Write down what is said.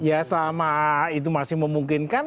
ya selama itu masih memungkinkan